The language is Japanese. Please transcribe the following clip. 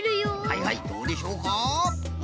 はいはいどうでしょうか？